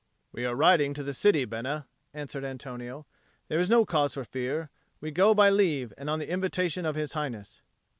"We are riding to the city, Bena," answered Antonio. "There is no cause for fear; we go by leave and on the invitation of His Highness."